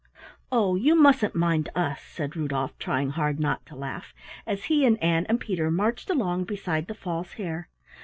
"Oh, you mustn't mind us," said Rudolf, trying hard not to laugh, as he and Ann and Peter marched along beside the False Hare.